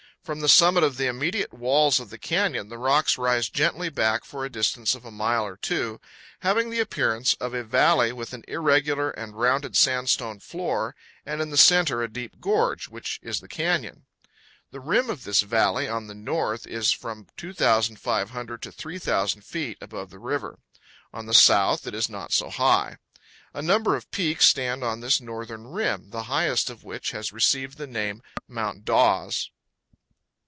From the summit of the immediate walls of the canyon the rocks rise gently back for a distance of a mile or two, having the appearance of a valley with an irregular and rounded sandstone floor and in the powell canyons 115.jpg ECHO PARK. center a deep gorge, which is the canyon. The rim of this valley on the north is from 2,500 to 3,000 feet above the river; on the south it is not so high. A number of peaks stand on this northern rim, the highest of which has received the name Mount Dawes.